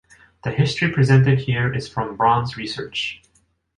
The history presented here is from Brahms' research.